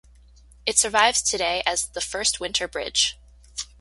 It survives today as the First Winter Bridge.